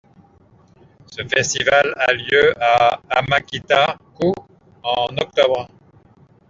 Ce festival a lieu à Hamakita-ku en octobre.